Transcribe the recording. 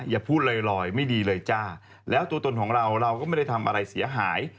อย่าพูดลอยไม่ดีเลยจ้าแล้วตัวตนของเราเราก็ไม่ได้ทำอะไรเสียหาย